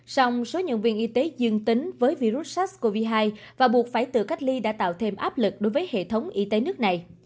song số nhân viên y tế dương tính với virus sars cov hai và buộc phải tự cách ly đã tạo thêm áp lực đối với hệ thống y tế nước này